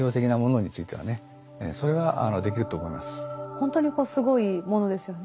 ほんとにすごいものですよね。